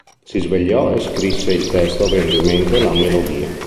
Si svegliò e scrisse il testo avendo in mente la melodia.